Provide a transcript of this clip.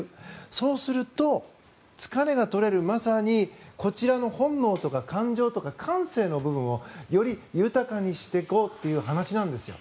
そうすると、疲れが取れるまさにこちらの本能とか感情とか感性の部分をより豊かにしていこうという話なんですよ。